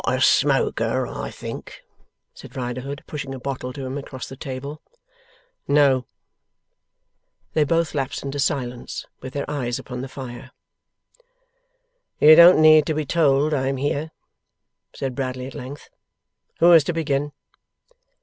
'Not a smoker, I think?' said Riderhood, pushing a bottle to him across the table. 'No.' They both lapsed into silence, with their eyes upon the fire. 'You don't need to be told I am here,' said Bradley at length. 'Who is to begin?